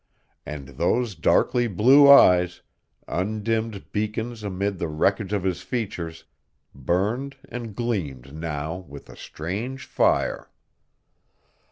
And those darkly blue eyes, undimmed beacons amid the wreckage of his features, burned and gleamed now with a strange fire.